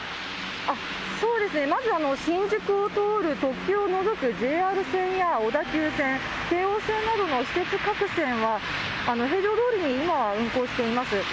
そうですね、まず、新宿を通る特急を除くＪＲ線や小田急線、京王線などの私鉄各線は、平常どおりに今は運行しています。